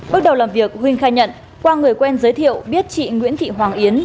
bước đầu làm việc huỳnh khai nhận qua người quen giới thiệu biết chị nguyễn thị hoàng yến